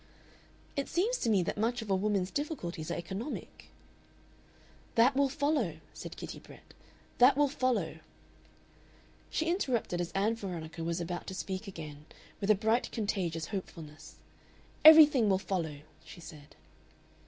"It seems to me that much of a woman's difficulties are economic." "That will follow," said Kitty Brett "that will follow." She interrupted as Ann Veronica was about to speak again, with a bright contagious hopefulness. "Everything will follow," she said.